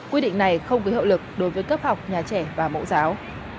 quy định này không gây hợp lực đối với cấp học nhà trẻ và mẫu giáo